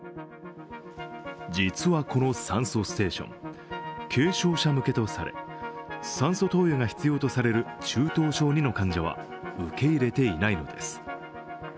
実はこの酸素ステーション、軽症者向けとされ、酸素投与が必要とされる中等症Ⅱの患者は受け入れていないのです。